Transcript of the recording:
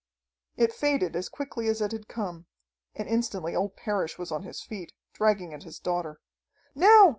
It faded as quickly as it had come, and instantly old Parrish was on his feet, dragging at his daughter. "Now!